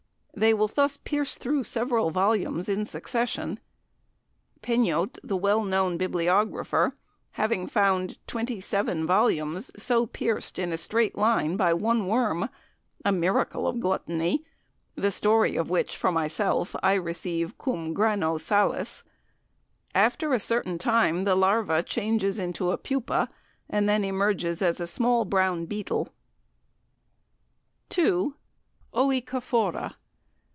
They will thus pierce through several volumes in succession, Peignot, the well known bibliographer, having found 27 volumes so pierced in a straight line by one worm, a miracle of gluttony, the story of which, for myself, I receive "cum grano salis." After a certain time the larva changes into a pupa, and then emerges as a small brown beetle. 2. "Oecophora."